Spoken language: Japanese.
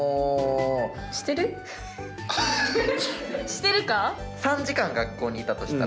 してるか？